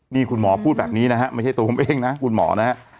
นี่คุณหมอพูดแบบนี้นะฮะไม่ใช่ตัวผมเองนะคุณหมอนะฮะ